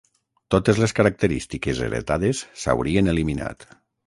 Totes les característiques heretades s'haurien eliminat.